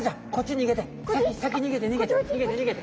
逃げて逃げて。